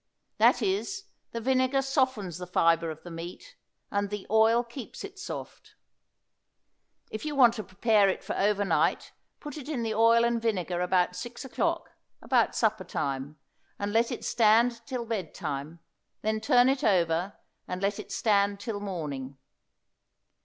That is, the vinegar softens the fibre of the meat and the oil keeps it soft. If you want to prepare it for over night put it in the oil and vinegar about 6 o'clock, about supper time, and let it stand till bed time, then turn it over, and let it stand till morning.